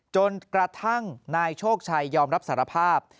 จนกระทั่งนายโชคชัยยอมรับสารภาพ